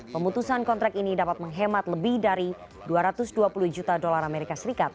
pemutusan kontrak ini dapat menghemat lebih dari dua ratus dua puluh juta dolar as